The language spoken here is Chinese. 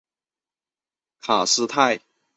卡斯泰。